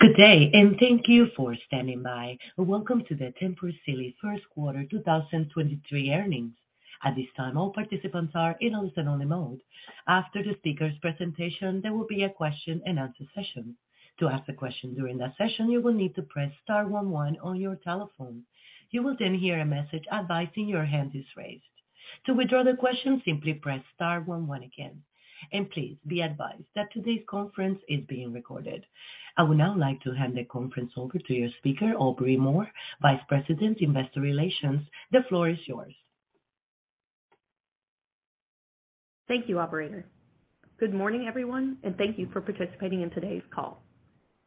Good day. Thank you for standing by. Welcome to the Tempur Sealy first quarter 2023 earnings. At this time, all participants are in listen only mode. After the speaker's presentation, there will be a question and answer session. To ask a question during that session, you will need to press star one one on your telephone. You will hear a message advising your hand is raised. To withdraw the question, simply press star one one again. Please be advised that today's conference is being recorded. I would now like to hand the conference over to your speaker, Aubrey Moore, Vice President, Investor Relations. The floor is yours. Thank you, operator. Good morning, everyone, and thank you for participating in today's call.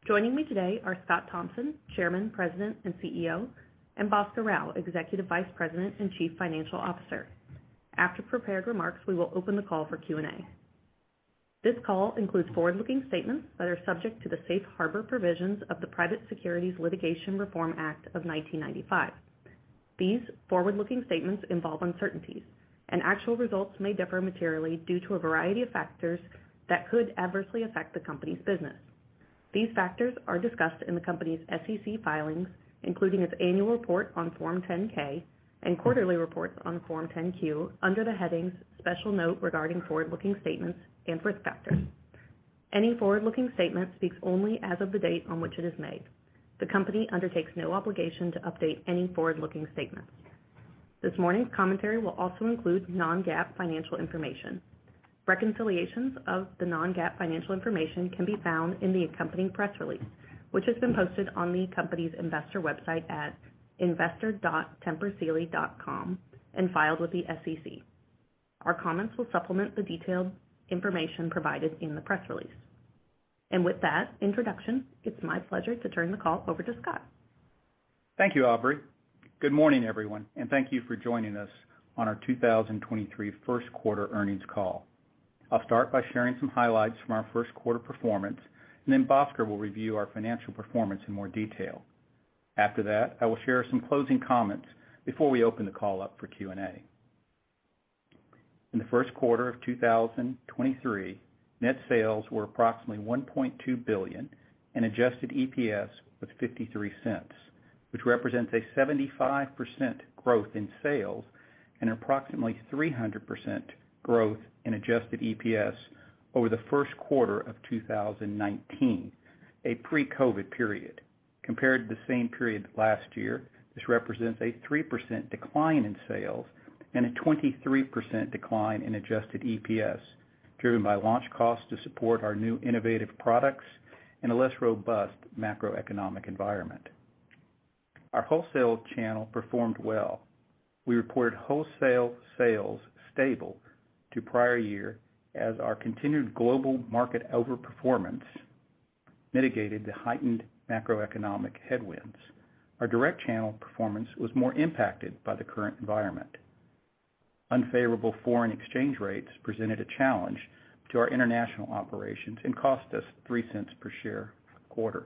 Joining me today are Scott Thompson, Chairman, President, and CEO, Bhaskar Rao, Executive Vice President and Chief Financial Officer. After prepared remarks, we will open the call for Q&A. This call includes forward-looking statements that are subject to the safe harbor provisions of the Private Securities Litigation Reform Act of 1995. These forward-looking statements involve uncertainties, and actual results may differ materially due to a variety of factors that could adversely affect the company's business. These factors are discussed in the company's SEC filings, including its annual report on Form 10-K and quarterly reports on Form 10-Q under the headings Special Note regarding forward-looking statements and risk factors. Any forward-looking statement speaks only as of the date on which it is made. The company undertakes no obligation to update any forward-looking statements. This morning's commentary will also include non-GAAP financial information. Reconciliations of the non-GAAP financial information can be found in the accompanying press release, which has been posted on the company's investor website at investor.tempursealy.com and filed with the SEC. Our comments will supplement the detailed information provided in the press release. With that introduction, it's my pleasure to turn the call over to Scott. Thank you, Aubrey. Good morning, everyone, and thank you for joining us on our 2023 first quarter earnings call. I'll start by sharing some highlights from our first quarter performance, and then Bhaskar will review our financial performance in more detail. After that, I will share some closing comments before we open the call up for Q&A. In the first quarter of 2023, net sales were approximately $1.2 billion and adjusted EPS was $0.53, which represents a 75% growth in sales and approximately 300% growth in adjusted EPS over the first quarter of 2019, a pre-COVID period. Compared to the same period last year, this represents a 3% decline in sales and a 23% decline in adjusted EPS, driven by launch costs to support our new innovative products and a less robust macroeconomic environment. Our wholesale channel performed well. We reported wholesale sales stable to prior year as our continued global market overperformance mitigated the heightened macroeconomic headwinds. Our direct channel performance was more impacted by the current environment. Unfavorable foreign exchange rates presented a challenge to our international operations and cost us $0.03 per share quarter.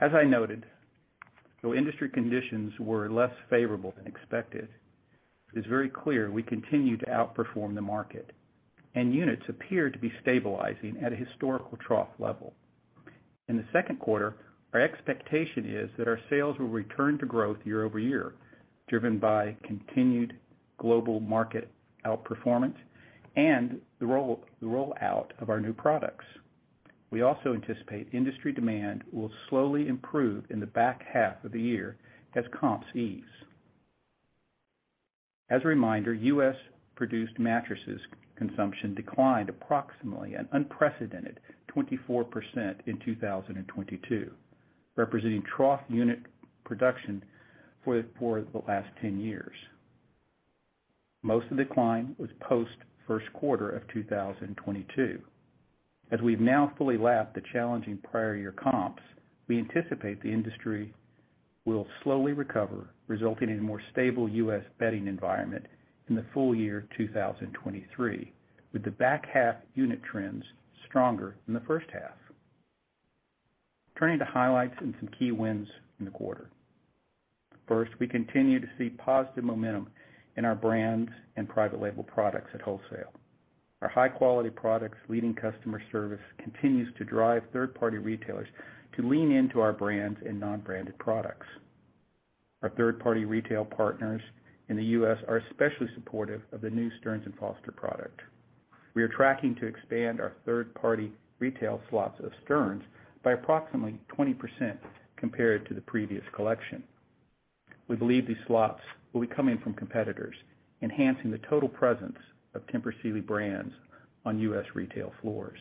As I noted, though industry conditions were less favorable than expected, it is very clear we continue to outperform the market, and units appear to be stabilizing at a historical trough level. In the second quarter, our expectation is that our sales will return to growth year-over-year, driven by continued global market outperformance and the rollout of our new products. We also anticipate industry demand will slowly improve in the back half of the year as comps ease. As a reminder, U.S.-produced mattresses consumption declined approximately an unprecedented 24% in 2022, representing trough unit production for the last 10 years. Most of the decline was post first quarter of 2022. As we've now fully lapped the challenging prior year comps, we anticipate the industry will slowly recover, resulting in a more stable U.S. bedding environment in the full year 2023, with the back half unit trends stronger than the first half. Turning to highlights and some key wins in the quarter. First, we continue to see positive momentum in our brands and private label products at wholesale. Our high-quality products leading customer service continues to drive third-party retailers to lean into our brands and non-branded products. Our third-party retail partners in the U.S. are especially supportive of the new Stearns & Foster product. We are tracking to expand our third-party retail slots of Stearns by approximately 20% compared to the previous collection. We believe these slots will be coming from competitors, enhancing the total presence of Tempur Sealy brands on U.S. retail floors.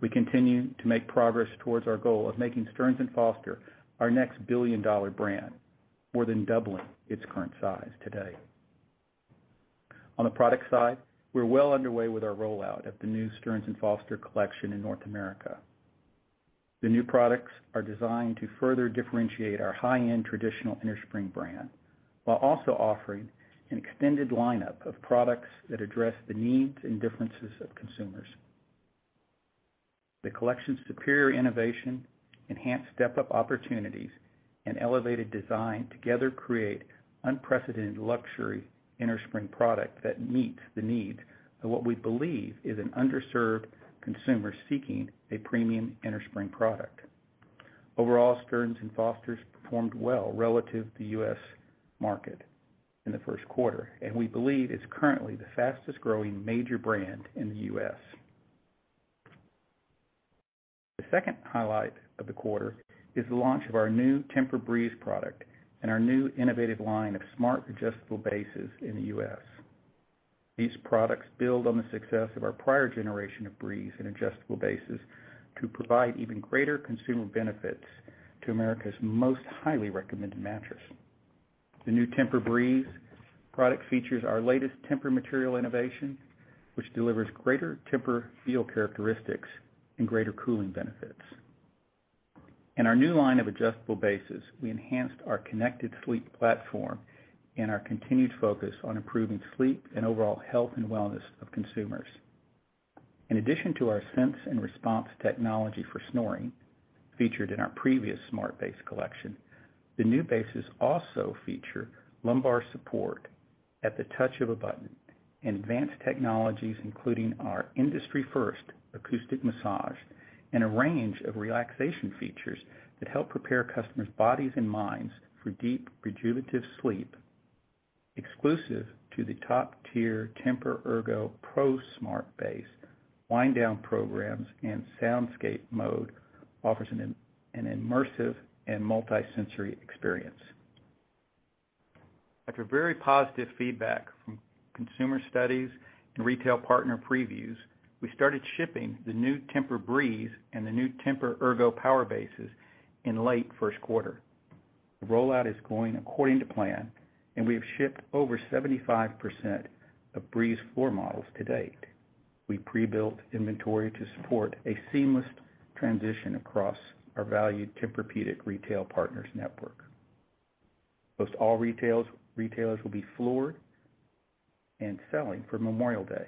We continue to make progress towards our goal of making Stearns & Foster our next billion-dollar brand, more than doubling its current size today. On the product side, we're well underway with our rollout of the new Stearns & Foster collection in North America. The new products are designed to further differentiate our high-end traditional innerspring brand, while also offering an extended lineup of products that address the needs and differences of consumers. The collection's superior innovation, enhanced step-up opportunities, elevated design together create unprecedented luxury innerspring product that meets the needs of what we believe is an underserved consumer seeking a premium innerspring product. Overall, Stearns & Foster performed well relative to US market in the first quarter, and we believe is currently the fastest-growing major brand in the US. The second highlight of the quarter is the launch of our new TEMPUR-Breeze product and our new innovative line of smart adjustable bases in the US. These products build on the success of our prior generation of Breeze and adjustable bases to provide even greater consumer benefits to America's most highly recommended mattress. The new TEMPUR-Breeze product features our latest TEMPUR material innovation, which delivers greater TEMPUR feel characteristics and greater cooling benefits. In our new line of adjustable bases, we enhanced our connected sleep platform and our continued focus on improving sleep and overall health and wellness of consumers. In addition to our sense and response technology for snoring, featured in our previous smart base collection, the new bases also feature lumbar support at the touch of a button, and advanced technologies, including our industry first acoustic massage and a range of relaxation features that help prepare customers' bodies and minds for deep, rejuvenative sleep. Exclusive to the top-tier Tempur-Ergo ProSmart base, wind down programs and soundscape mode offers an immersive and multi-sensory experience. After very positive feedback from consumer studies and retail partner previews, we started shipping the new Tempur-Breeze and the new Tempur-Ergo power bases in late first quarter. The rollout is going according to plan, and we have shipped over 75% of Breeze floor models to date. We pre-built inventory to support a seamless transition across our valued Tempur-Pedic retail partners network. Most all retailers will be floored and selling for Memorial Day,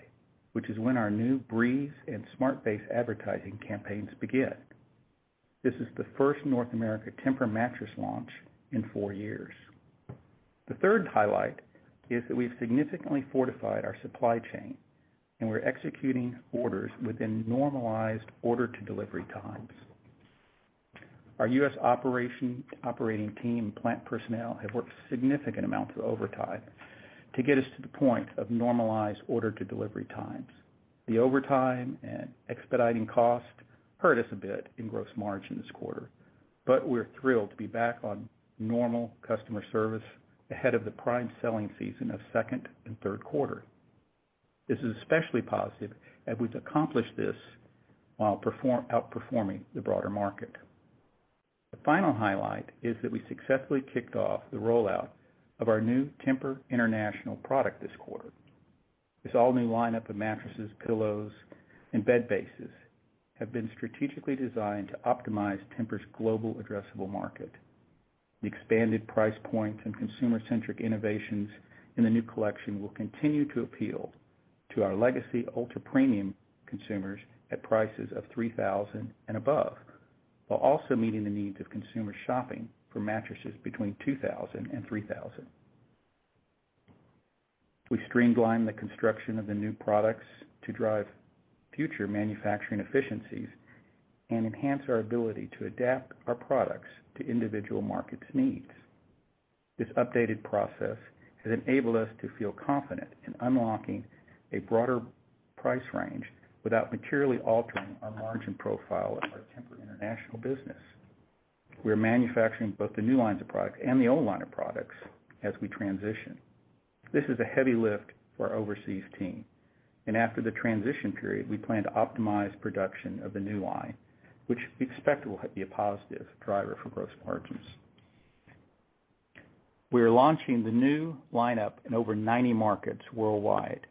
which is when our new Breeze and smart base advertising campaigns begin. This is the first North American Tempur mattress launch in four years. The third highlight is that we've significantly fortified our supply chain, we're executing orders within normalized order to delivery times. Our U.S. operating team and plant personnel have worked significant amounts of overtime to get us to the point of normalized order to delivery times. The overtime and expediting cost hurt us a bit in gross margin this quarter, we're thrilled to be back on normal customer service ahead of the prime selling season of second and third quarter. This is especially positive that we've accomplished this while outperforming the broader market. The final highlight is that we successfully kicked off the rollout of our new Tempur International product this quarter. This all-new lineup of mattresses, pillows, and bed bases have been strategically designed to optimize TEMPUR's global addressable market. The expanded price points and consumer-centric innovations in the new collection will continue to appeal to our legacy ultra-premium consumers at prices of $3,000 and above, while also meeting the needs of consumers shopping for mattresses between $2,000 and $3,000. We streamlined the construction of the new products to drive future manufacturing efficiencies and enhance our ability to adapt our products to individual markets' needs. This updated process has enabled us to feel confident in unlocking a broader price range without materially altering our margin profile of our Tempur International business. We're manufacturing both the new lines of products and the old line of products as we transition. This is a heavy lift for our overseas team, after the transition period, we plan to optimize production of the new line, which we expect will be a positive driver for gross margins. We are launching the new lineup in over 90 markets worldwide,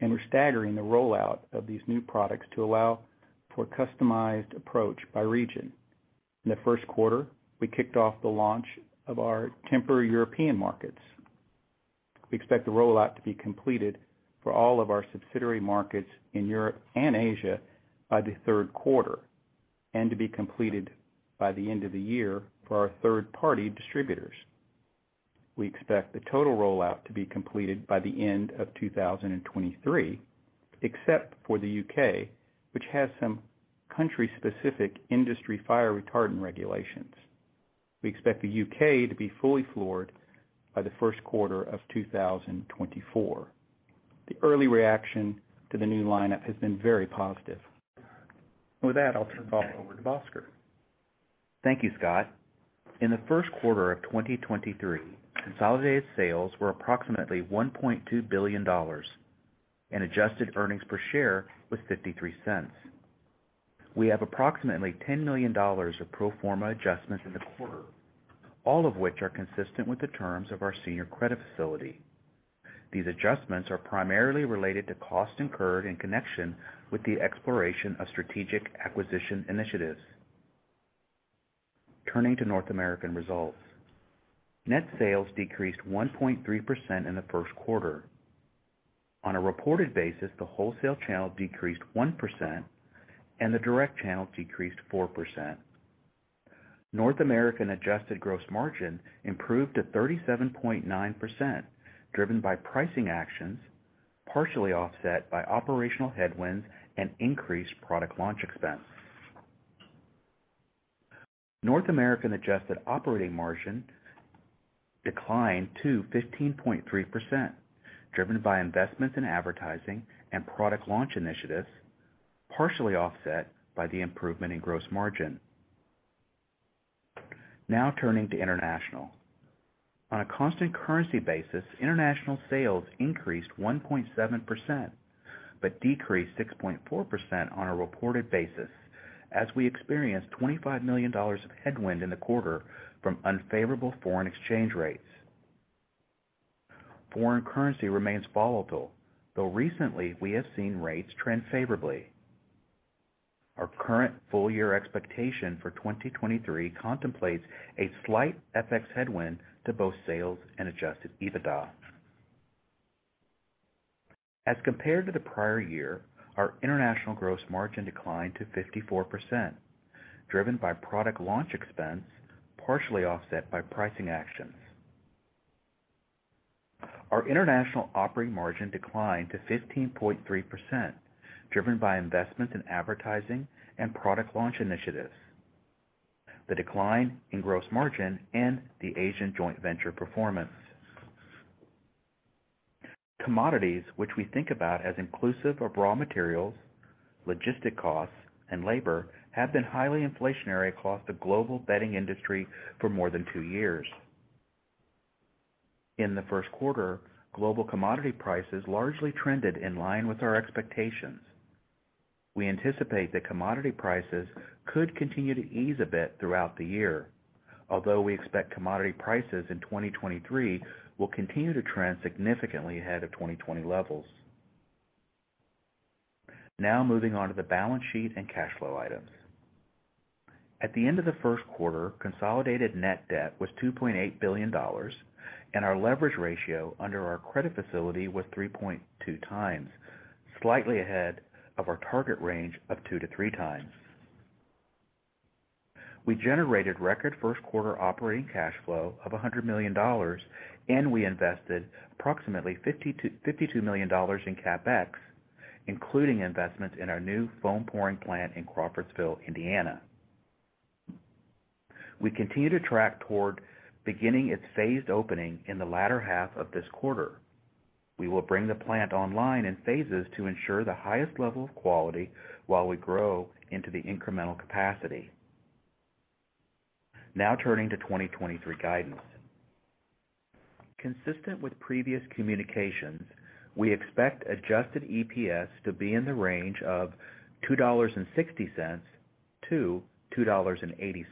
and we're staggering the rollout of these new products to allow for a customized approach by region. In the 1st quarter, we kicked off the launch of our Tempur European markets. We expect the rollout to be completed for all of our subsidiary markets in Europe and Asia by the 3rd quarter, and to be completed by the end of the year for our third-party distributors. We expect the total rollout to be completed by the end of 2023, except for the U.K., which has some country-specific industry fire retardant regulations. We expect the U.K. to be fully floored by the first quarter of 2024. The early reaction to the new lineup has been very positive. With that, I'll turn the call over to Bhaskar. Thank you, Scott. In the first quarter of 2023, consolidated sales were approximately $1.2 billion, and adjusted earnings per share was $0.53. We have approximately $10 million of pro forma adjustments in the quarter, all of which are consistent with the terms of our senior credit facility. These adjustments are primarily related to costs incurred in connection with the exploration of strategic acquisition initiatives. Turning to North American results. Net sales decreased 1.3% in the first quarter. On a reported basis, the wholesale channel decreased 1% and the direct channel decreased 4%. North American adjusted gross margin improved to 37.9%, driven by pricing actions, partially offset by operational headwinds and increased product launch expense. North American adjusted operating margin declined to 15.3%, driven by investments in advertising and product launch initiatives, partially offset by the improvement in gross margin. Turning to international. On a constant currency basis, international sales increased 1.7%, but decreased 6.4% on a reported basis as we experienced $25 million of headwind in the quarter from unfavorable foreign exchange rates. Foreign currency remains volatile, though recently, we have seen rates trend favorably. Our current full year expectation for 2023 contemplates a slight FX headwind to both sales and adjusted EBITDA. As compared to the prior year, our international gross margin declined to 54%, driven by product launch expense, partially offset by pricing actions. Our international operating margin declined to 15.3%, driven by investments in advertising and product launch initiatives, the decline in gross margin and the Asian joint venture performance. Commodities, which we think about as inclusive of raw materials, logistic costs, and labor, have been highly inflationary across the global bedding industry for more than two years. In the first quarter, global commodity prices largely trended in line with our expectations. We anticipate that commodity prices could continue to ease a bit throughout the year, although we expect commodity prices in 2023 will continue to trend significantly ahead of 2020 levels. Moving on to the balance sheet and cash flow items. At the end of the first quarter, consolidated net debt was $2.8 billion, and our leverage ratio under our credit facility was 3.2 times, slightly ahead of our target range of 2-3 times. We generated record first quarter operating cash flow of $100 million, and we invested approximately $52 million in CapEx, including investments in our new foam pouring plant in Crawfordsville, Indiana. We continue to track toward beginning its phased opening in the latter half of this quarter. We will bring the plant online in phases to ensure the highest level of quality while we grow into the incremental capacity. Turning to 2023 guidance. Consistent with previous communications, we expect adjusted EPS to be in the range of $2.60-$2.80.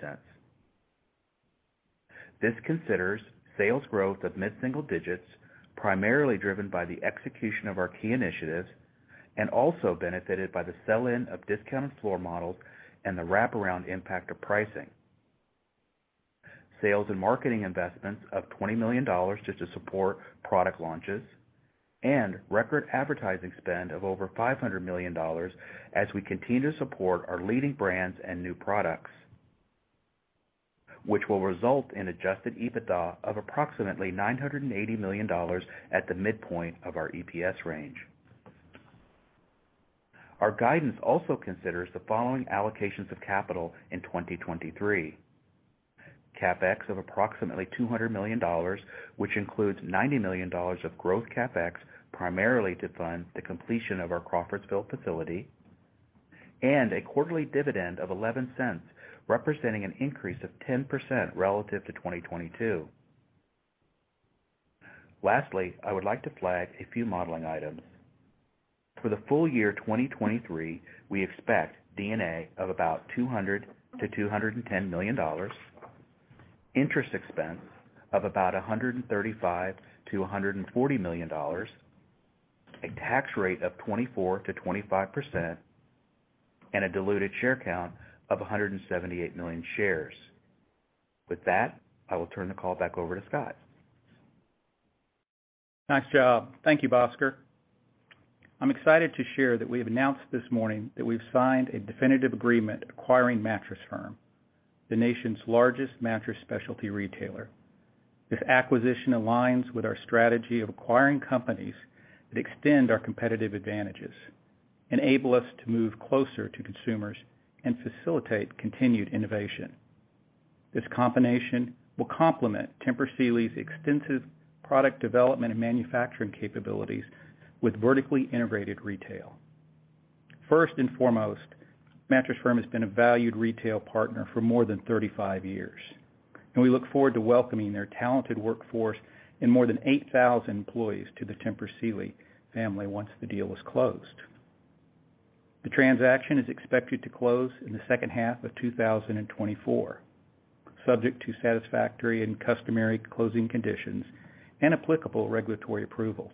This considers sales growth of mid-single digits, primarily driven by the execution of our key initiatives and also benefited by the sell-in of discounted floor models and the wraparound impact of pricing, sales and marketing investments of $20 million just to support product launches and record advertising spend of over $500 million as we continue to support our leading brands and new products, which will result in adjusted EBITDA of approximately $980 million at the midpoint of our EPS range. Our guidance also considers the following allocations of capital in 2023. CapEx of approximately $200 million, which includes $90 million of growth CapEx, primarily to fund the completion of our Crawfordsville facility, and a quarterly dividend of $0.11, representing an increase of 10% relative to 2022. Lastly, I would like to flag a few modeling items. For the full year 2023, we expect D&A of about $200 million-$210 million, interest expense of about $135 million-$140 million, a tax rate of 24%-25%, and a diluted share count of 178 million shares. With that, I will turn the call back over to Scott. Nice job. Thank you, Bhaskar. I'm excited to share that we have announced this morning that we've signed a definitive agreement acquiring Mattress Firm, the nation's largest mattress specialty retailer. This acquisition aligns with our strategy of acquiring companies that extend our competitive advantages, enable us to move closer to consumers, and facilitate continued innovation. This combination will complement Tempur Sealy extensive product development and manufacturing capabilities with vertically integrated retail. First and foremost, Mattress Firm has been a valued retail partner for more than 35 years, and we look forward to welcoming their talented workforce and more than 8,000 employees to the Tempur Sealy family once the deal is closed. The transaction is expected to close in the second half of 2024, subject to satisfactory and customary closing conditions and applicable regulatory approvals.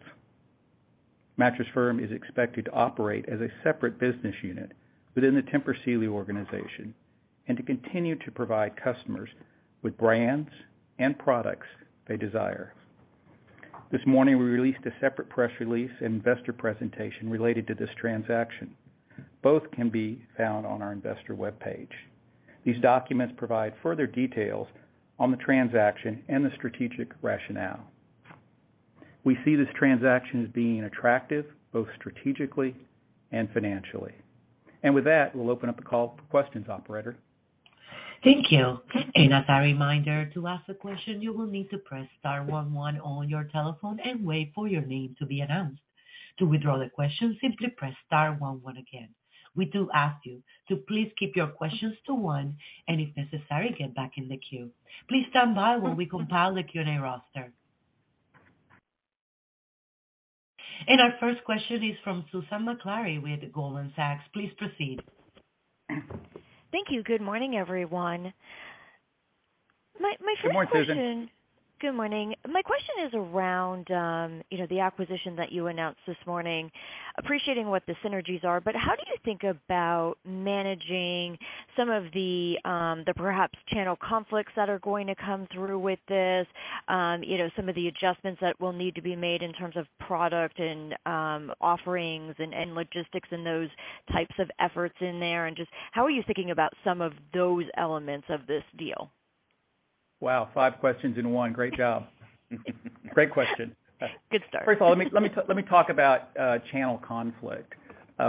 Mattress Firm is expected to operate as a separate business unit within the Tempur Sealy organization. To continue to provide customers with brands and products they desire. This morning, we released a separate press release investor presentation related to this transaction. Both can be found on our investor webpage. These documents provide further details on the transaction and the strategic rationale. We see this transaction as being attractive, both strategically and financially. With that, we'll open up the call for questions, operator. Thank you. As a reminder, to ask a question you will need to press star one one on your telephone and wait for your name to be announced. To withdraw the question, simply press star one one again. We do ask you to please keep your questions to one and if necessary, get back in the queue. Please stand by while we compile the Q&A roster. Our first question is from Susan Maklari with Goldman Sachs. Please proceed. Thank you. Good morning, everyone. My first question. Good morning, Susan. Good morning. My question is around, you know, the acquisition that you announced this morning, appreciating what the synergies are, but how do you think about managing some of the perhaps channel conflicts that are going to come through with this, you know, some of the adjustments that will need to be made in terms of product and, offerings and logistics and those types of efforts in there? Just how are you thinking about some of those elements of this deal? Wow, five questions in one. Great job. Great question. Good start. First of all, let me talk about channel conflict.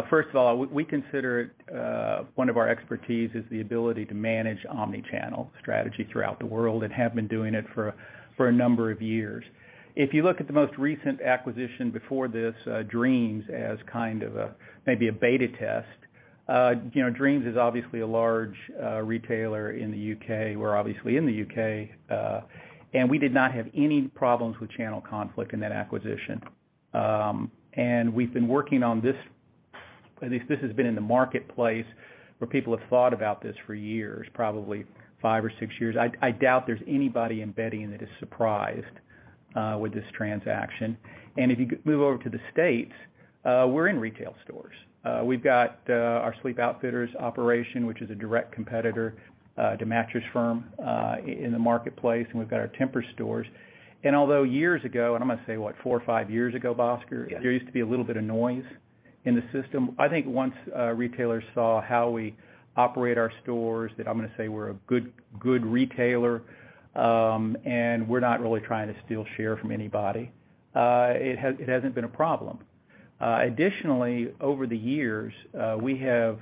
First of all, we consider it one of our expertise is the ability to manage omni-channel strategy throughout the world and have been doing it for a number of years. If you look at the most recent acquisition before this, Dreams as kind of a, maybe a beta test, you know, Dreams is obviously a large retailer in the UK. We're obviously in the UK. We did not have any problems with channel conflict in that acquisition. We've been working on this, at least this has been in the marketplace where people have thought about this for years, probably five or six years. I doubt there's anybody in bedding that is surprised with this transaction. If you move over to the States, we're in retail stores. We've got our Sleep Outfitters operation, which is a direct competitor to Mattress Firm in the marketplace. We've got our Tempur stores. Although years ago, and I'm gonna say, what, 4 or 5 years ago, Bhaskar? Yes. There used to be a little bit of noise in the system. I think once retailers saw how we operate our stores, that I'm gonna say we're a good retailer, and we're not really trying to steal share from anybody, it hasn't been a problem. Additionally, over the years, we have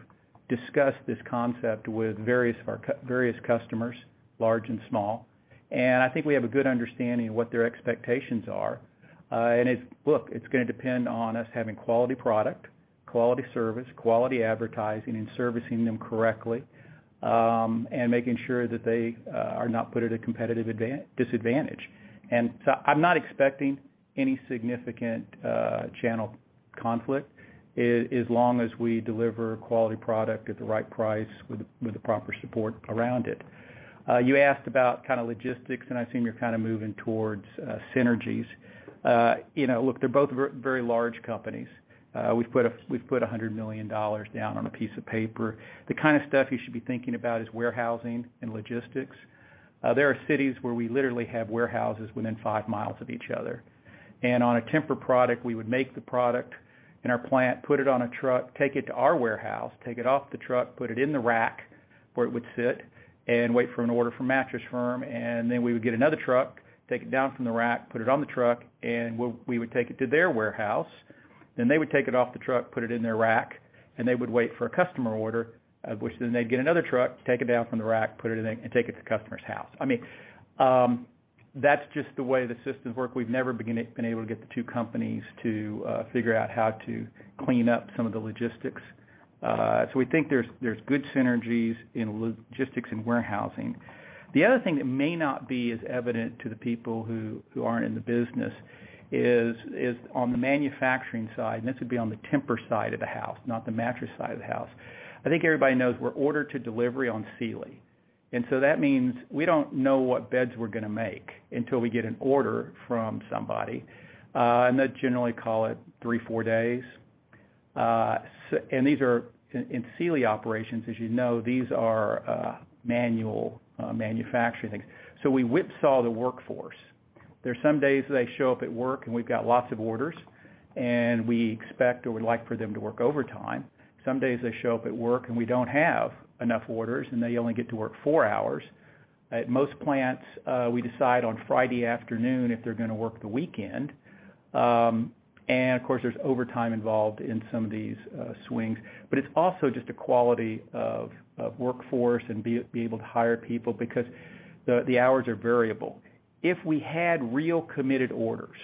discussed this concept with various of our various customers, large and small, and I think we have a good understanding of what their expectations are. Look, it's gonna depend on us having quality product, quality service, quality advertising, and servicing them correctly, and making sure that they are not put at a competitive disadvantage. I'm not expecting any significant channel conflict as long as we deliver quality product at the right price with the proper support around it. You asked about kind of logistics, and I assume you're kind of moving towards synergies. You know, look, they're both very large companies. We've put $100 million down on a piece of paper. The kind of stuff you should be thinking about is warehousing and logistics. There are cities where we literally have warehouses within five miles of each other. On a TEMPUR product, we would make the product in our plant, put it on a truck, take it to our warehouse, take it off the truck, put it in the rack where it would sit and wait for an order from Mattress Firm. We would get another truck, take it down from the rack, put it on the truck, and we would take it to their warehouse. They would take it off the truck, put it in their rack, and they would wait for a customer order, of which then they'd get another truck, take it down from the rack, and take it to the customer's house. I mean, that's just the way the systems work. We've never been able to get the two companies to figure out how to clean up some of the logistics. We think there's good synergies in logistics and warehousing. The other thing that may not be as evident to the people who aren't in the business is on the TEMPUR side of the house, not the mattress side of the house. I think everybody knows we're order to delivery on Sealy. That means we don't know what beds we're gonna make until we get an order from somebody. They generally call it three, four days. These are in Sealy operations, as you know, these are manual manufacturing. We whipsaw the workforce. There's some days they show up at work and we've got lots of orders, and we expect or would like for them to work overtime. Some days they show up at work and we don't have enough orders, and they only get to work four hours. At most plants, we decide on Friday afternoon if they're gonna work the weekend. Of course, there's overtime involved in some of these swings. It's also just a quality of workforce and be able to hire people because the hours are variable. If we had real committed orders,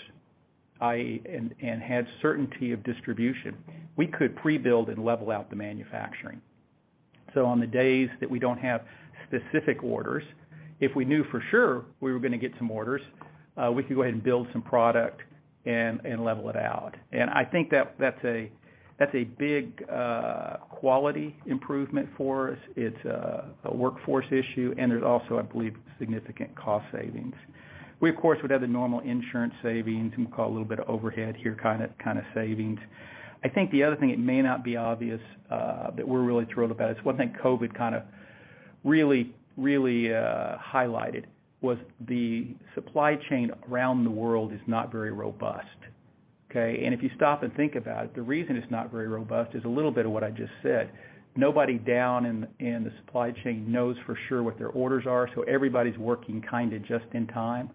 i.e., and had certainty of distribution, we could pre-build and level out the manufacturing. On the days that we don't have specific orders, if we knew for sure we were gonna get some orders, we could go ahead and build some product and level it out. I think that's a big quality improvement for us. It's a workforce issue, and there's also, I believe, significant cost savings. We of course, would have the normal insurance savings, and we'll call it a little bit of overhead here, kind of savings. I think the other thing, it may not be obvious, but we're really thrilled about is one thing COVID kind of really highlighted was the supply chain around the world is not very robust. Okay. If you stop and think about it, the reason it's not very robust is a little bit of what I just said. Nobody down in the supply chain knows for sure what their orders are, so everybody's working kinda just in time.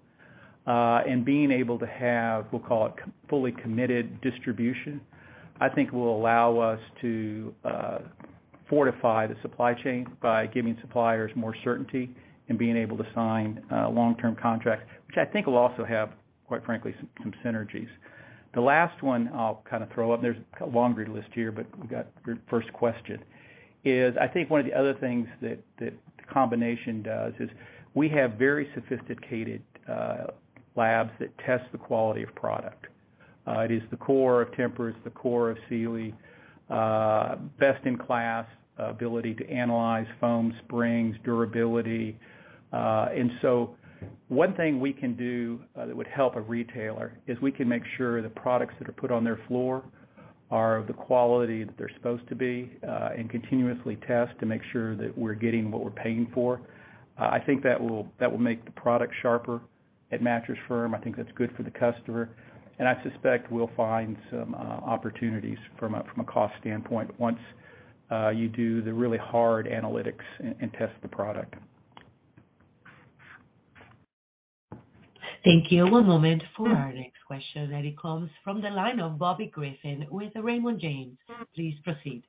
Being able to have, we'll call it fully committed distribution, I think will allow us to fortify the supply chain by giving suppliers more certainty and being able to sign long-term contracts, which I think will also have, quite frankly, some synergies. The last one I'll kind of throw up, there's a longer list here, but we got your first question, is I think one of the other things that the combination does is we have very sophisticated labs that test the quality of product. it is the core of TEMPUR, it's the core of Sealy, best in class ability to analyze foam springs, durability. One thing we can do, that would help a retailer is we can make sure the products that are put on their floor are of the quality that they're supposed to be, and continuously test to make sure that we're getting what we're paying for. I think that will make the product sharper at Mattress Firm. I think that's good for the customer, I suspect we'll find some opportunities from a cost standpoint once you do the really hard analytics and test the product. Thank you. One moment for our next question, and it comes from the line of Bobby Griffin with Raymond James. Please proceed.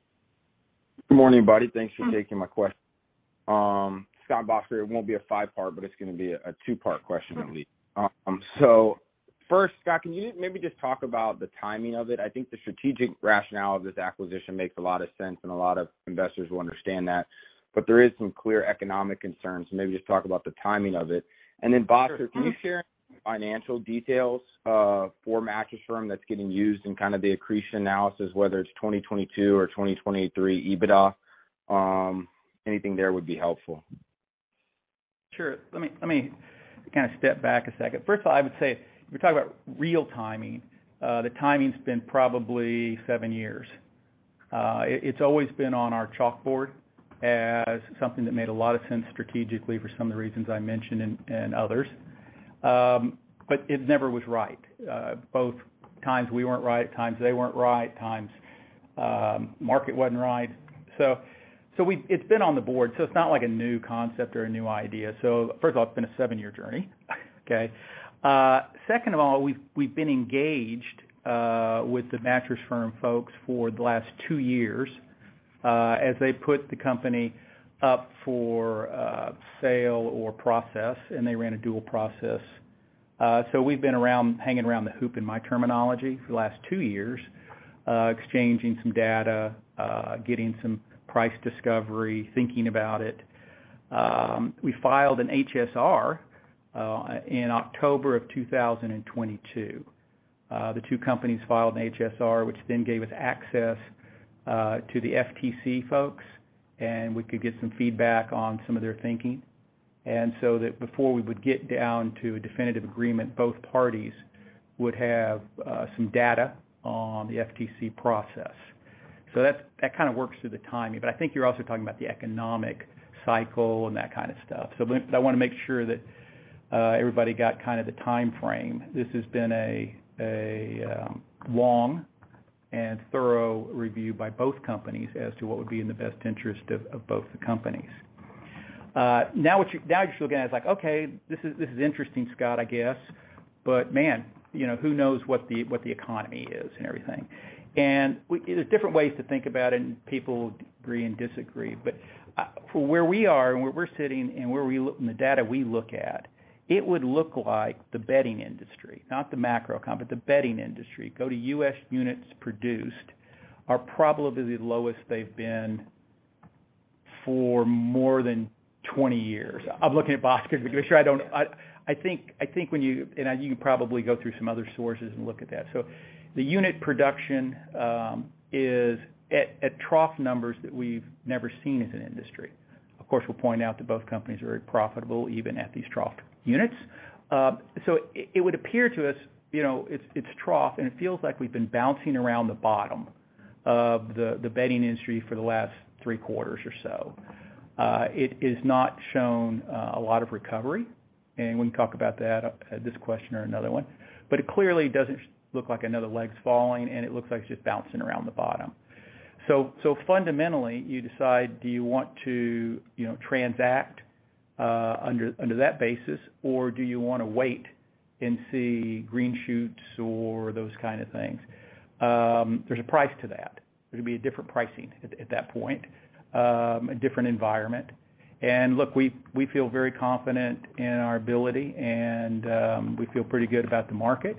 Good morning, everybody. Thanks for taking my question. Scott and Bhaskar, it won't be a 5-part, but it's gonna be a 2-part question at least. First, Scott, can you maybe just talk about the timing of it? I think the strategic rationale of this acquisition makes a lot of sense, and a lot of investors will understand that, but there is some clear economic concerns. Maybe just talk about the timing of it. Then, Bhaskar, can you share financial details for Mattress Firm that's getting used in kind of the accretion analysis, whether it's 2022 or 2023 EBITDA? Anything there would be helpful. Sure. Let me kind of step back a second. First of all, I would say if you talk about real timing, the timing's been probably seven years. It's always been on our chalkboard as something that made a lot of sense strategically for some of the reasons I mentioned and others. It never was right. Both times we weren't right, times they weren't right, times, market wasn't right. It's been on the board, so it's not like a new concept or a new idea. First of all, it's been a seven-year journey. Okay. Second of all, we've been engaged with the Mattress Firm folks for the last two years as they put the company up for a sale or process, and they ran a dual process. We've been around, hanging around the hoop in my terminology for the last 2 years, exchanging some data, getting some price discovery, thinking about it. We filed an HSR in October of 2022. The 2 companies filed an HSR, which then gave us access to the FTC folks, and we could get some feedback on some of their thinking. So that before we would get down to a definitive agreement, both parties would have some data on the FTC process. So that's that kind of works through the timing, but I think you're also talking about the economic cycle and that kind of stuff. But I want to make sure that everybody got kind of the timeframe. This has been a, long and thorough review by both companies as to what would be in the best interest of both the companies. Now you're still going as like, okay, this is interesting, Scott, I guess, but man, you know, who knows what the economy is and everything. There's different ways to think about it and people agree and disagree. For where we are and where we're sitting and where we the data we look at, it would look like the bedding industry, not the macro comp, but the bedding industry, go to U.S. units produced, are probably the lowest they've been for more than 20 years. I'm looking at Bhaskar because sure I don't... I think when you... You can probably go through some other sources and look at that. The unit production, is at trough numbers that we've never seen as an industry. Of course, we'll point out that both companies are very profitable even at these trough units. It, it would appear to us, you know, it's trough, and it feels like we've been bouncing around the bottom of the bedding industry for the last 3 quarters or so. It is not shown, a lot of recovery, and we can talk about that at this question or another one. It clearly doesn't look like another leg's falling, and it looks like it's just bouncing around the bottom. Fundamentally, you decide, do you want to, you know, transact under that basis, or do you want to wait and see green shoots or those kind of things? There's a price to that. There'd be a different pricing at that point, a different environment. Look, we feel very confident in our ability and we feel pretty good about the market.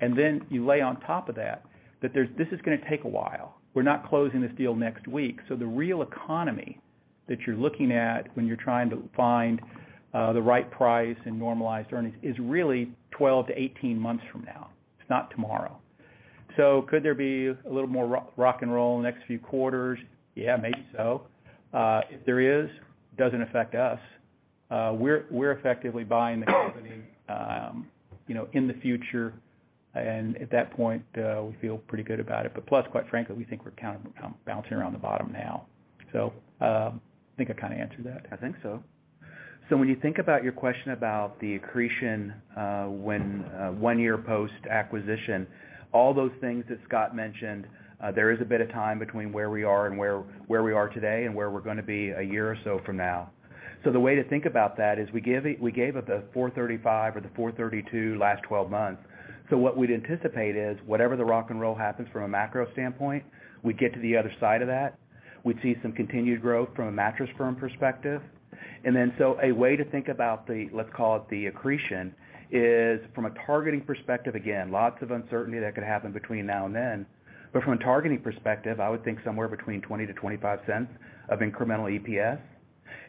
Then you lay on top of that, this is going to take a while. We're not closing this deal next week. The real economy that you're looking at when you're trying to find the right price and normalized earnings is really 12 to 18 months from now. It's not tomorrow. Could there be a little more rock and roll the next few quarters? Yeah, maybe so. If there is, doesn't affect us. We're effectively buying the company, you know, in the future, and at that point, we feel pretty good about it. Plus, quite frankly, we think we're kind of bouncing around the bottom now. I think I kinda answered that. I think so. When you think about your question about the accretion, when 1 year post-acquisition, all those things that Scott mentioned, there is a bit of time between where we are today and where we're gonna be a year or so from now. The way to think about that is we gave up the $435 or the $432 last twelve months. What we'd anticipate is whatever the rock and roll happens from a macro standpoint, we get to the other side of that. We'd see some continued growth from a Mattress Firm perspective. A way to think about the, let's call it the accretion, is from a targeting perspective, again, lots of uncertainty that could happen between now and then, but from a targeting perspective, I would think somewhere between $0.20-$0.25 of incremental EPS.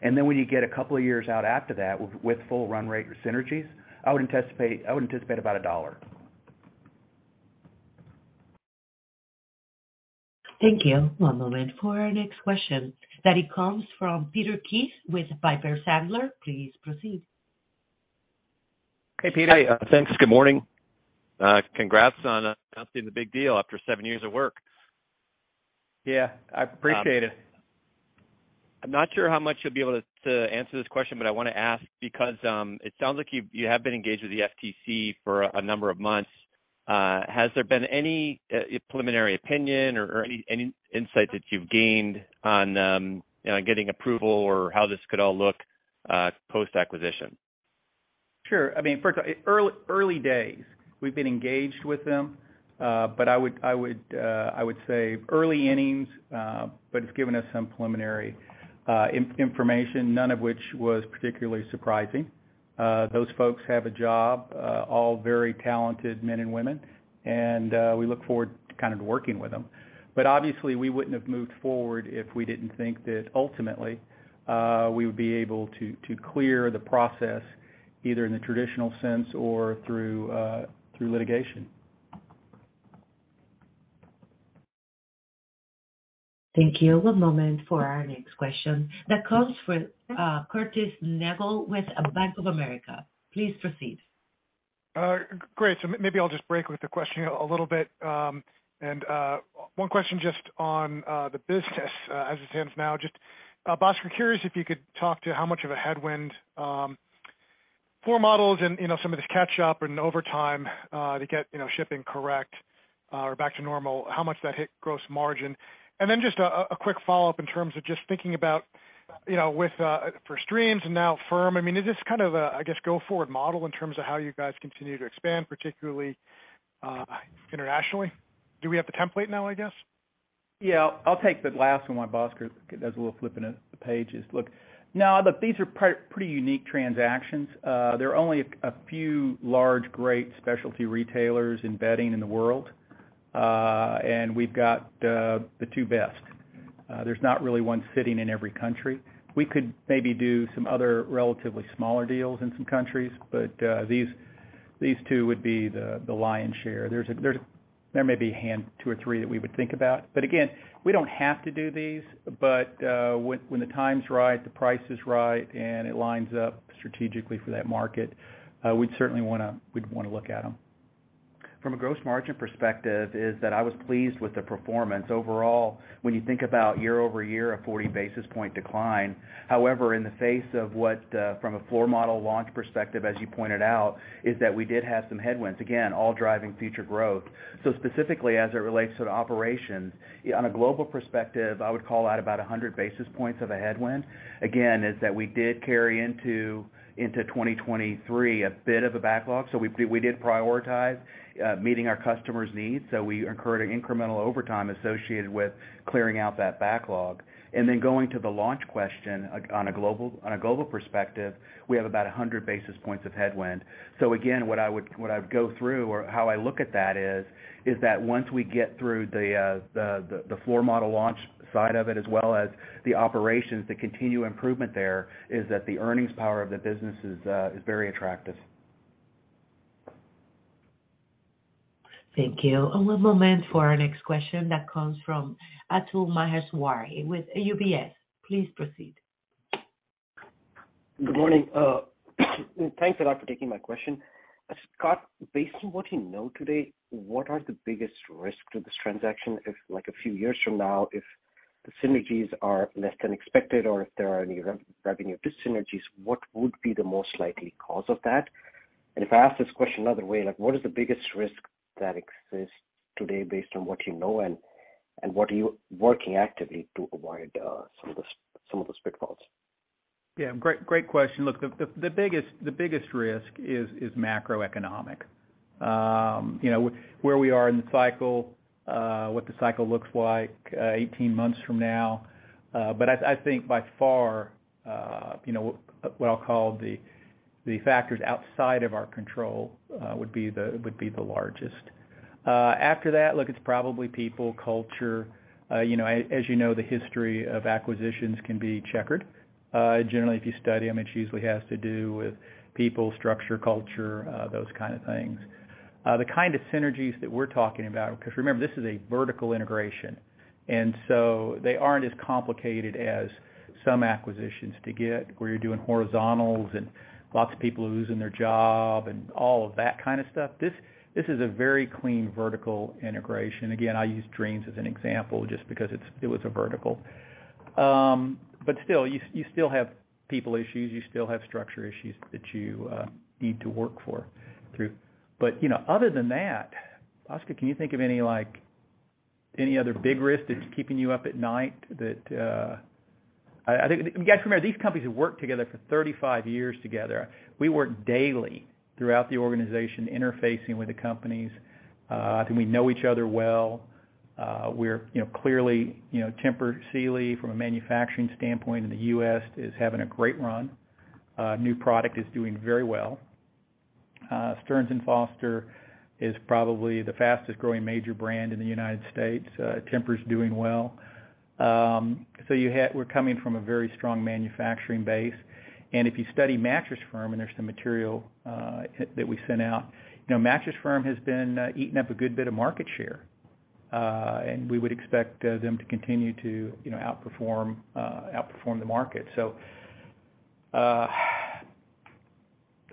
When you get a couple of years out after that with full run rate or synergies, I would anticipate about $1. Thank you. One moment for our next question. It comes from Peter Keith with Piper Sandler. Please proceed. Hey, Peter. Hi, thanks. Good morning. Congrats on announcing the big deal after seven years of work. Yeah, I appreciate it. I'm not sure how much you'll be able to answer this question, but I wanna ask because it sounds like you have been engaged with the FTC for a number of months. Has there been any preliminary opinion or any insight that you've gained on getting approval or how this could all look post-acquisition? Sure. I mean, first, early days, we've been engaged with them, but I would say early innings, but it's given us some preliminary information, none of which was particularly surprising. Those folks have a job, all very talented men and women, and we look forward to kind of working with them. Obviously, we wouldn't have moved forward if we didn't think that ultimately, we would be able to clear the process, either in the traditional sense or through litigation. Thank you. One moment for our next question. That comes from Curtis Nagle with Bank of America. Please proceed. Great. Maybe I'll just break with the questioning a little bit, and one question just on the business, as it stands now. Just, Bhaskar, curious if you could talk to how much of a headwind, floor models and, you know, some of this catch up and over time, to get, you know, shipping correct, or back to normal, how much that hit gross margin. Then just a quick follow-up in terms of just thinking about, you know, with for Streams and now Firm, I mean, is this kind of a, I guess, go forward model in terms of how you guys continue to expand, particularly, internationally? Do we have the template now, I guess? Yeah. I'll take the last one while Bhaskar does a little flipping of the pages look. These are pretty unique transactions. There are only a few large, great specialty retailers in bedding in the world, and we've got the two best. There's not really one sitting in every country. We could maybe do some other relatively smaller deals in some countries, but these two would be the lion's share. There may be a hand, two or three that we would think about. Again, we don't have to do these. When the time's right, the price is right, and it lines up strategically for that market, we'd certainly wanna look at them. From a gross margin perspective is that I was pleased with the performance overall when you think about year-over-year, a 40 basis point decline. In the face of what, from a floor model launch perspective, as you pointed out, is that we did have some headwinds, again, all driving future growth. Specifically as it relates to the operations, on a global perspective, I would call out about 100 basis points of a headwind. Again, is that we did carry into 2023 a bit of a backlog. We did prioritize meeting our customers' needs. We incurred an incremental overtime associated with clearing out that backlog. Going to the launch question on a global perspective, we have about 100 basis points of headwind. Again, what I would go through or how I look at that is that once we get through the floor model launch side of it as well as the operations, the continued improvement there, is that the earnings power of the business is very attractive. Thank you. One moment for our next question that comes from Atul Maheswari with UBS. Please proceed. Good morning. Thanks a lot for taking my question. Scott, based on what you know today, what are the biggest risks to this transaction if like a few years from now, if the synergies are less than expected or if there are any re-revenue dis-synergies, what would be the most likely cause of that? If I ask this question another way, like, what is the biggest risk that exists today based on what you know and what are you working actively to avoid, some of the pitfalls? Yeah, great question. Look, the biggest risk is macroeconomic. You know, where we are in the cycle, what the cycle looks like, 18 months from now. I think by far, you know, what I'll call the factors outside of our control, would be the largest. After that, look, it's probably people, culture. You know, as you know, the history of acquisitions can be checkered. Generally, if you study them, it usually has to do with people, structure, culture, those kind of things. The kind of synergies that we're talking about, because remember, this is a vertical integration. They aren't as complicated as some acquisitions to get where you're doing horizontals and lots of people losing their job and all of that kind of stuff. This is a very clean vertical integration. Again, I use Dreams as an example just because it was a vertical. Still, you still have people issues, you still have structure issues that you need to work through. You know, other than that, Oscar, can you think of any, like, any other big risk that's keeping you up at night? I think, you guys remember, these companies have worked together for 35 years together. We work daily throughout the organization, interfacing with the companies. I think we know each other well. We're, you know, clearly, you know, Tempur Sealy from a manufacturing standpoint in the U.S. is having a great run. New product is doing very well. Stearns & Foster is probably the fastest growing major brand in the United States. TEMPUR's doing well. We're coming from a very strong manufacturing base. If you study Mattress Firm, and there's some material that we sent out, you know, Mattress Firm has been eating up a good bit of market share. We would expect them to continue to, you know, outperform the market. I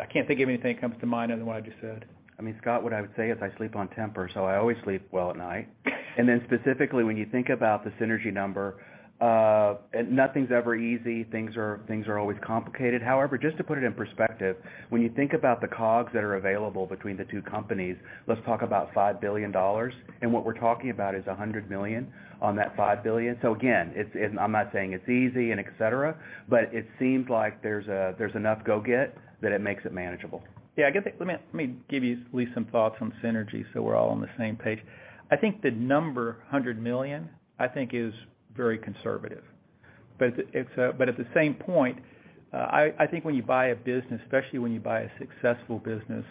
can't think of anything that comes to mind other than what I just said. I mean, Scott, what I would say is I sleep on TEMPUR, so I always sleep well at night. Specifically when you think about the synergy number, nothing's ever easy. Things are always complicated. However, just to put it in perspective, when you think about the COGS that are available between the two companies, let's talk about $5 billion, and what we're talking about is $100 million on that $5 billion. Again, I'm not saying it's easy and et cetera, but it seems like there's enough go get that it makes it manageable. Let me give you at least some thoughts on synergy so we're all on the same page. I think the number, $100 million, I think is very conservative. It's, but at the same point, I think when you buy a business, especially when you buy a successful business,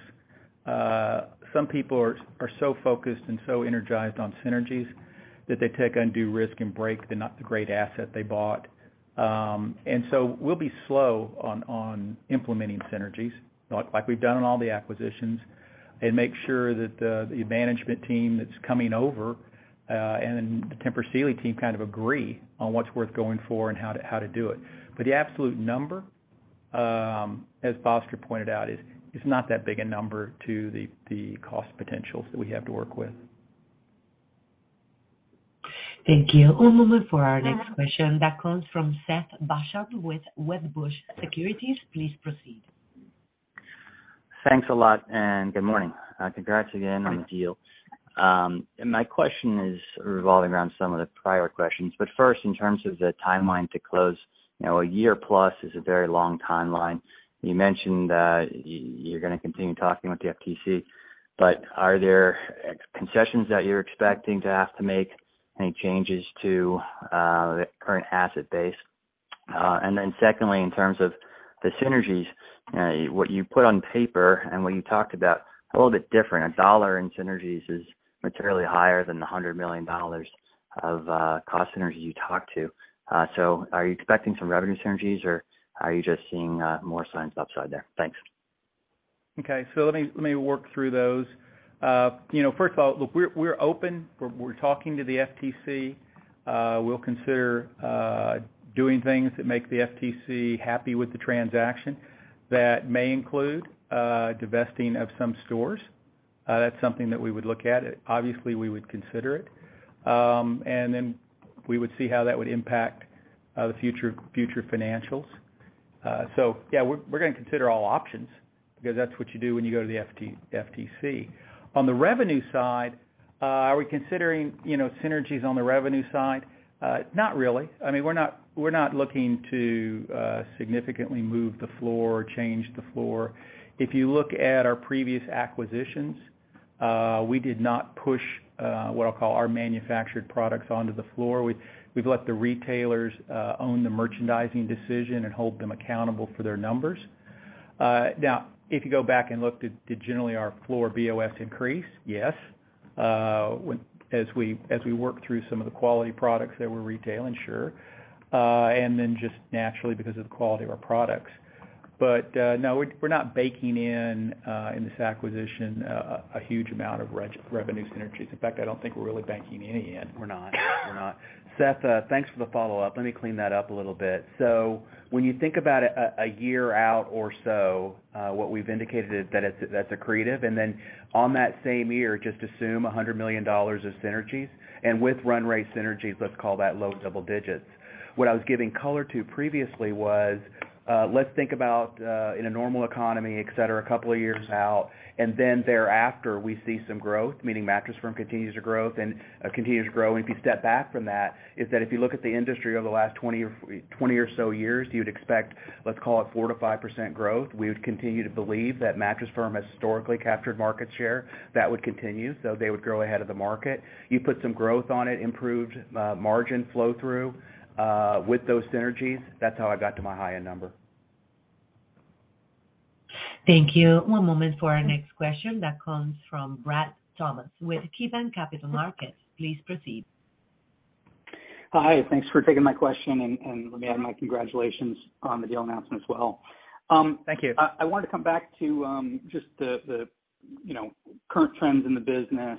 some people are so focused and so energized on synergies that they take undue risk and break the great asset they bought. We'll be slow on implementing synergies, like we've done on all the acquisitions, and make sure that the management team that's coming over, and the Tempur Sealy team kind of agree on what's worth going for and how to do it. The absolute number, as Foster pointed out, is not that big a number to the cost potentials that we have to work with. Thank you. One moment for our next question that comes from Seth Basham with Wedbush Securities. Please proceed. Thanks a lot, and good morning. Congrats again on the deal. My question is revolving around some of the prior questions. First, in terms of the timeline to close, you know, a year plus is a very long timeline. You mentioned that you're gonna continue talking with the FTC, but are there concessions that you're expecting to have to make, any changes to the current asset base? Secondly, in terms of the synergies, what you put on paper and what you talked about are a little bit different. $1 in synergies is materially higher than the $100 million of cost synergies you talked to. Are you expecting some revenue synergies, or are you just seeing more signs upside there? Thanks. Okay. Let me work through those. You know, first of all, look, we're open. We're talking to the FTC. We'll consider doing things that make the FTC happy with the transaction. That may include divesting of some stores. That's something that we would look at. Obviously, we would consider it. Then we would see how that would impact the future financials. Yeah, we're gonna consider all options because that's what you do when you go to the FTC. On the revenue side, are we considering, you know, synergies on the revenue side? Not really. I mean, we're not looking to significantly move the floor or change the floor. If you look at our previous acquisitions, we did not push what I'll call our manufactured products onto the floor. We've let the retailers own the merchandising decision and hold them accountable for their numbers. Now, if you go back and look, did generally our floor BOS increase? Yes, as we work through some of the quality products that we're retailing, sure. Then just naturally because of the quality of our products. No, we're not baking in in this acquisition a huge amount of re-revenue synergies. In fact, I don't think we're really baking any in. We're not. We're not. Seth, thanks for the follow-up. Let me clean that up a little bit. When you think about a year out or so, what we've indicated is that it's, that's accretive. On that same year, just assume $100 million of synergies. With run rate synergies, let's call that low double digits. What I was giving color to previously was, let's think about in a normal economy, et cetera, a couple of years out, thereafter, we see some growth, meaning Mattress Firm continues to growth and continues to grow. If you step back from that, is that if you look at the industry over the last 20 or so years, you'd expect, let's call it 4%-5% growth. We would continue to believe that Mattress Firm has historically captured market share. That would continue. They would grow ahead of the market. You put some growth on it, improved margin flow through with those synergies, that's how I got to my high-end number. Thank you. One moment for our next question that comes from Brad Thomas with KeyBanc Capital Markets. Please proceed. Hi, thanks for taking my question, and let me add my congratulations on the deal announcement as well. Thank you. I wanted to come back to, just the, you know, current trends in the business,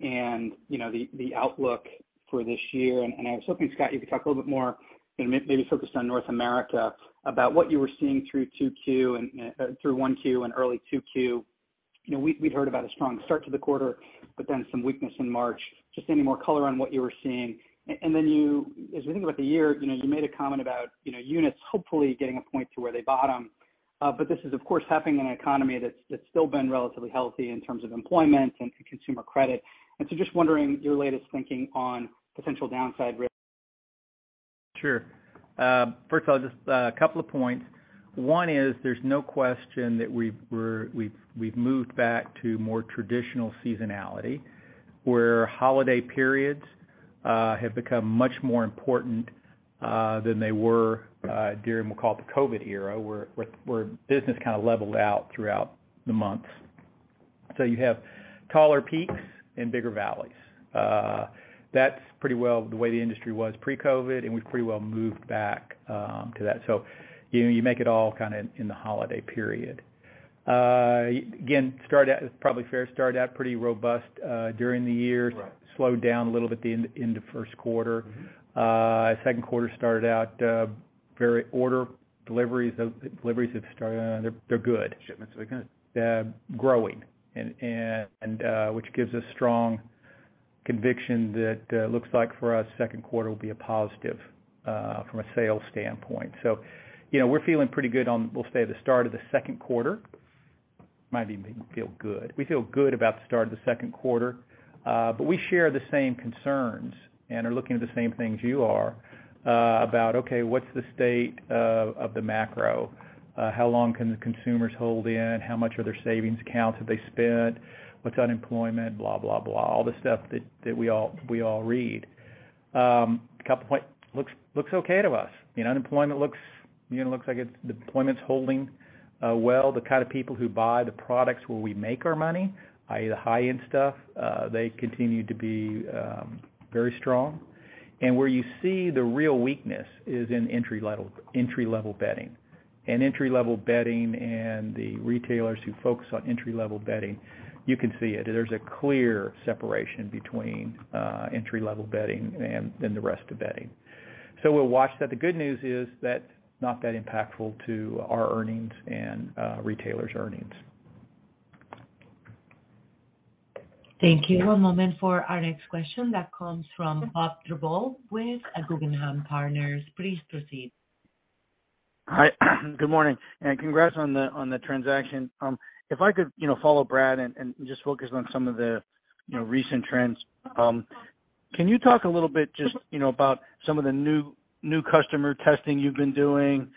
you know, the outlook for this year. I was hoping, Scott, you could talk a little bit more and maybe focus on North America about what you were seeing through 2Q and through 1Q and early 2Q. You know, we'd heard about a strong start to the quarter, but then some weakness in March. Just any more color on what you were seeing. Then you, as we think about the year, you know, you made a comment about, you know, units hopefully getting a point to where they bottom. But this is, of course, happening in an economy that's still been relatively healthy in terms of employment and consumer credit. So just wondering your latest thinking on potential downside risk. Sure. First of all, just a couple of points. One is there's no question that we've moved back to more traditional seasonality, where holiday periods have become much more important than they were during, we'll call it the COVID era, where business kind of leveled out throughout the months. You have taller peaks and bigger valleys. That's pretty well the way the industry was pre-COVID, and we've pretty well moved back to that. You know, you make it all kind of in the holiday period. Again, it's probably fair, start out pretty robust during the year. Right. Slowed down a little bit in the first quarter. Mm-hmm. Second quarter started out very order deliveries have started, they're good. Shipments have been good. They're growing, which gives us strong conviction that looks like for us, second quarter will be a positive from a sales standpoint. You know, we're feeling pretty good on, we'll say, the start of the second quarter. We feel good about the start of the second quarter, but we share the same concerns and are looking at the same things you are about, okay, what's the state of the macro? How long can the consumers hold in? How much of their savings accounts have they spent? What's unemployment? Blah, blah, all the stuff that we all read. A couple points. Looks okay to us. You know, unemployment looks, you know, the employment's holding well. The kind of people who buy the products where we make our money, i.e., the high-end stuff, they continue to be very strong. Where you see the real weakness is in entry-level bedding. Entry-level bedding and the retailers who focus on entry-level bedding, you can see it. There's a clear separation between entry-level bedding and then the rest of bedding. We'll watch that. The good news is that's not that impactful to our earnings and retailers' earnings. Thank you. One moment for our next question that comes from Bob Drbul with Guggenheim Securities. Please proceed. Hi. Good morning, and congrats on the transaction. If I could, you know, follow Brad and just focus on some of the, you know, recent trends. Can you talk a little bit just, you know, about some of the new customer testing you've been doing,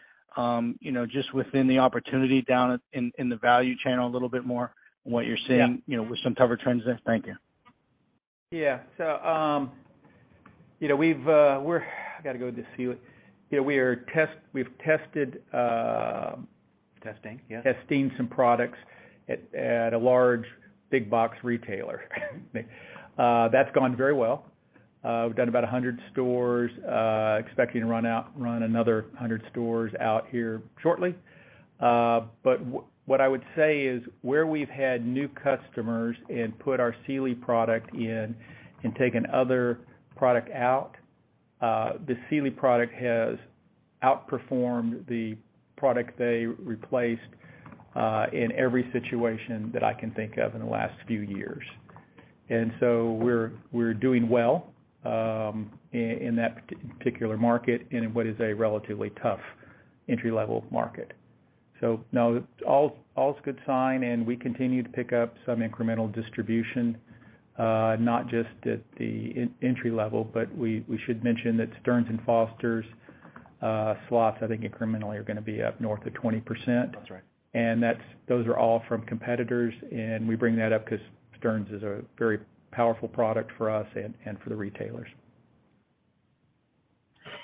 you know, just within the opportunity down in the value channel a little bit more and what you're seeing? Yeah. You know, with some cover trends there? Thank you. Yeah. You know, I gotta go with the Sealy. You know, we've tested. Testing, yeah. Testing some products at a large big box retailer. That's gone very well. We've done about 100 stores, expecting to run out, run another 100 stores out here shortly. What I would say is, where we've had new customers and put our Sealy product in and taken other product out, the Sealy product has outperformed the product they replaced, in every situation that I can think of in the last few years. We're doing well, in that particular market in what is a relatively tough entry-level market. No, all's good sign, and we continue to pick up some incremental distribution, not just at the entry level, but we should mention that Stearns & Foster's, slots, I think incrementally are gonna be up north of 20%. That's right. those are all from competitors, we bring that up 'cause Stearns is a very powerful product for us and for the retailers.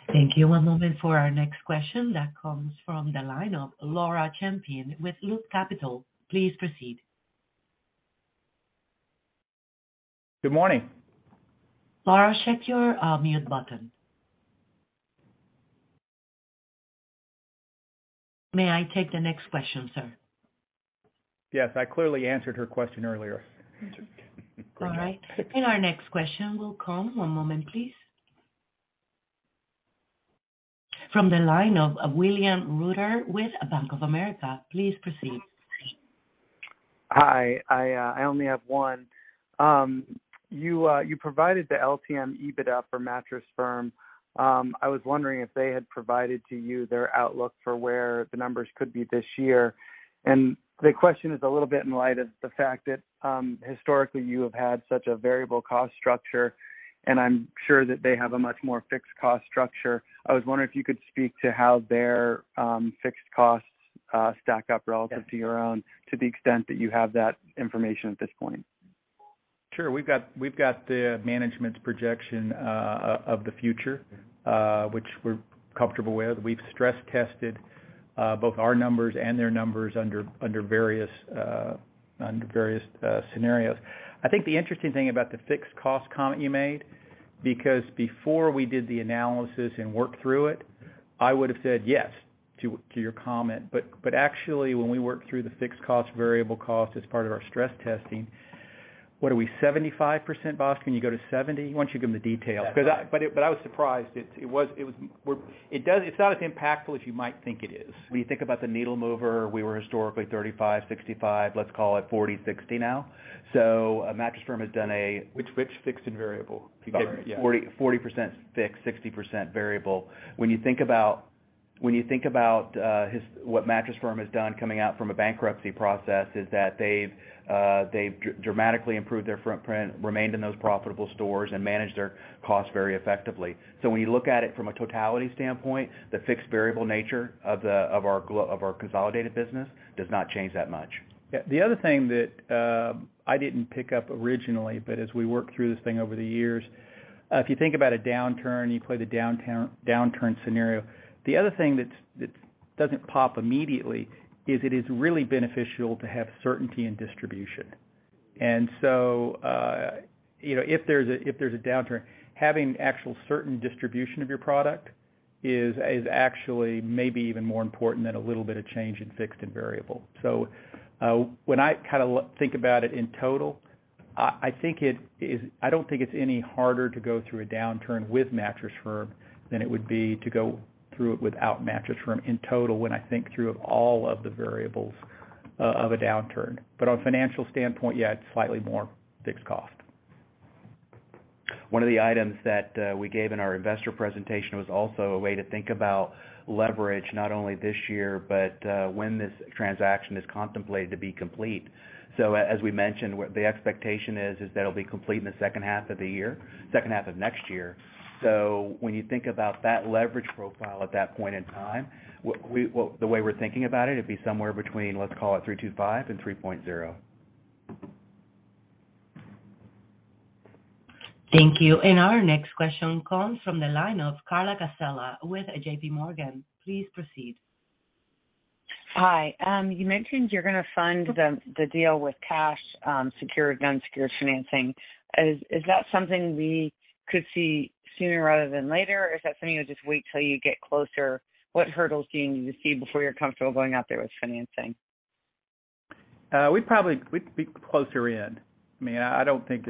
Thank you. One moment for our next question that comes from the line of Laura Champine with Loop Capital. Please proceed. Good morning. Laura, check your mute button. May I take the next question, sir? Yes. I clearly answered her question earlier. All right. Our next question will come, one moment please. From the line of William Reuter with Bank of America. Please proceed. Hi. I only have one. You provided the LTM EBITDA for Mattress Firm. I was wondering if they had provided to you their outlook for where the numbers could be this year. The question is a little bit in light of the fact that, historically you have had such a variable cost structure, and I'm sure that they have a much more fixed cost structure. I was wondering if you could speak to how their fixed costs stack up relative- Yeah. To your own to the extent that you have that information at this point. Sure. We've got the management's projection, of the future, which we're comfortable with. We've stress tested, both our numbers and their numbers Under various scenarios. I think the interesting thing about the fixed cost comment you made, because before we did the analysis and worked through it, I would have said yes to your comment. Actually when we worked through the fixed cost, variable cost as part of our stress testing, what are we 75%? Bos, can you go to 70%? Why don't you give them the details. Yeah. I was surprised. It was... It's not as impactful as you might think it is. When you think about the needle mover, we were historically 35, 65, let's call it 40, 60 now. MattressFirm has done. Which fixed and variable? Sorry, yeah. 40% fixed, 60% variable. When you think about what MattressFirm has done coming out from a bankruptcy process is that they've dramatically improved their footprint, remained in those profitable stores and managed their costs very effectively. When you look at it from a totality standpoint, the fixed variable nature of the, of our consolidated business does not change that much. Yeah. The other thing that I didn't pick up originally, but as we worked through this thing over the years, if you think about a downturn, you play the downturn scenario. The other thing that's, that doesn't pop immediately is it is really beneficial to have certainty in distribution. You know, if there's a, if there's a downturn, having actual certain distribution of your product is actually maybe even more important than a little bit of change in fixed and variable. When I think about it in total, I think it is. I don't think it's any harder to go through a downturn with MattressFirm than it would be to go through it without MattressFirm in total when I think through all of the variables of a downturn. On a financial standpoint, yeah, it's slightly more fixed cost. One of the items that we gave in our investor presentation was also a way to think about leverage not only this year, but when this transaction is contemplated to be complete. As we mentioned, what the expectation is that it'll be complete in the second half of the year, second half of next year. When you think about that leverage profile at that point in time, what we, what the way we're thinking about it'd be somewhere between, let's call it 3.25 and 3.0. Thank you. Our next question comes from the line of Carla Casella with JP Morgan. Please proceed. Hi. You mentioned you're gonna fund the deal with cash, unsecured financing. Is that something we could see sooner rather than later? Is that something you'll just wait till you get closer? What hurdles do you need to see before you're comfortable going out there with financing? We'd be closer in. I mean, I don't think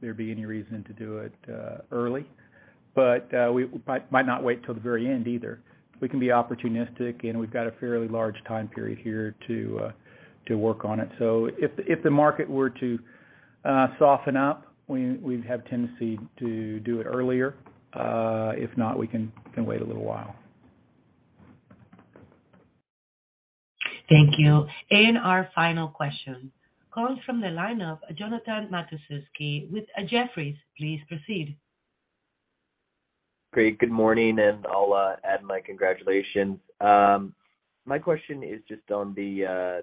there'd be any reason to do it early. We might not wait till the very end either. We can be opportunistic, and we've got a fairly large time period here to work on it. If the market were to soften up, we'd have tendency to do it earlier. If not, we can wait a little while. Thank you. Our final question comes from the line of Jonathan Matuszewski with Jefferies. Please proceed. Great. Good morning, and I'll add my congratulations. My question is just on the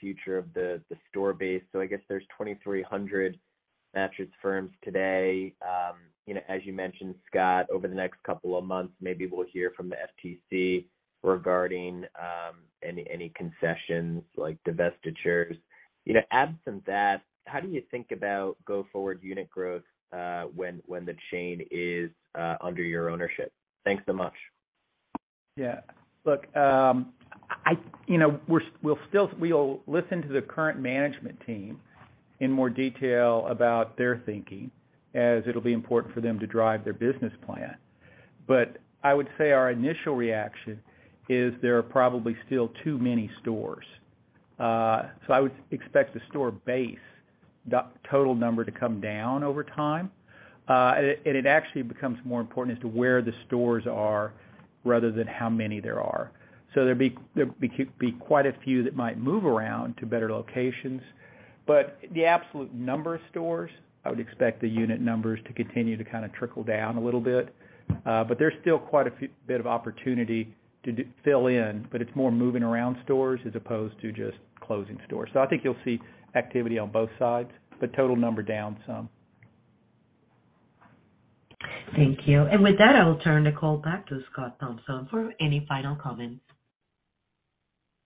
future of the store base. I guess there's 2,300 Mattress Firms today. You know, as you mentioned, Scott, over the next couple of months, maybe we'll hear from the FTC regarding any concessions like divestitures. You know, absent that, how do you think about go-forward unit growth when the chain is under your ownership? Thanks so much. Yeah, look, I, you know, we're, we'll listen to the current management team in more detail about their thinking, as it'll be important for them to drive their business plan. I would say our initial reaction is there are probably still too many stores. I would expect the store base, the total number to come down over time. It, and it actually becomes more important as to where the stores are rather than how many there are. There'd be quite a few that might move around to better locations. The absolute number of stores, I would expect the unit numbers to continue to kinda trickle down a little bit. There's still quite a bit of opportunity to fill in, but it's more moving around stores as opposed to just closing stores. I think you'll see activity on both sides, the total number down some. Thank you. With that, I will turn the call back to Scott Thompson for any final comments.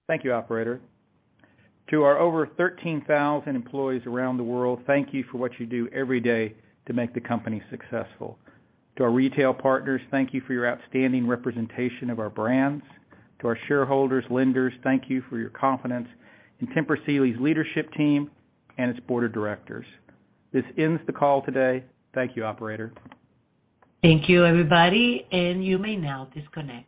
Thank you, operator. To our over 13,000 employees around the world, thank you for what you do every day to make the company successful. To our retail partners, thank you for your outstanding representation of our brands. To our shareholders, lenders, thank you for your confidence in Tempur Sealy's leadership team and its board of directors. This ends the call today. Thank you, operator. Thank you, everybody, and you may now disconnect.